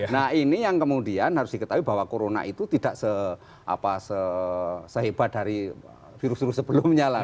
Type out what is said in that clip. nah ini yang kemudian harus diketahui bahwa corona itu tidak sehebat dari virus virus sebelumnya lah